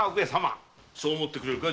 そう思ってくれるか？